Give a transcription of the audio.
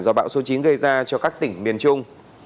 do bão số chín gây ra cho các tỉnh miền trung